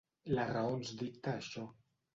La raó ens dicta això.